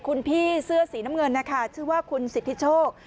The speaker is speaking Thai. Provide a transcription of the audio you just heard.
คุณพี่เสื้อสีน้ำเงินนะคะชื่อว่าคุณสิทธิโชค